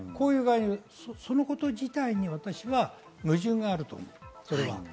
そのこと自体に私は矛盾があると思います。